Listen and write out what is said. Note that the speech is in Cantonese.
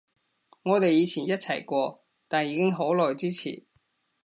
我哋以前一齊過，但已經好耐之前